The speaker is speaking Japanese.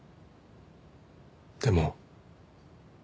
でも。